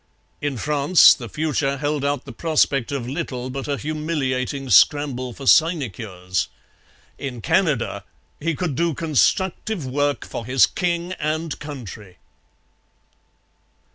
In France the future held out the prospect of little but a humiliating scramble for sinecures. In Canada he could do constructive work for his king and country.